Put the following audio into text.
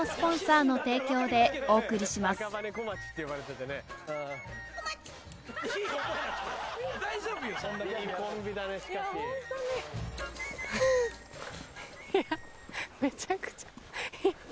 いやめちゃくちゃ。